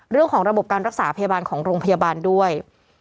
เรื่องของระบบการรักษาพยาบาลของโรงพยาบาลด้วย